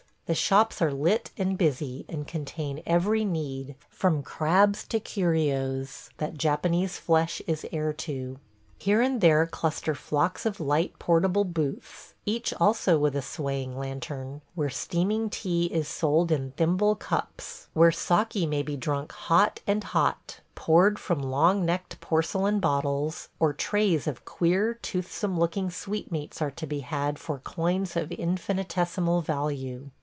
The shops are lit and busy, and contain every need, from crabs to curios, that Japanese flesh is heir to. Here and there cluster flocks of light, portable booths, each also with a swaying lantern, where steaming tea is sold in thimble cups; where saki may be drunk hot and hot, poured from long necked porcelain bottles, or trays of queer, toothsome looking sweetmeats are to be had for coins of infinitesimal value.